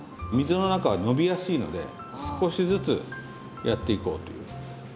水の中は伸びやすいので少しずつやっていこうという。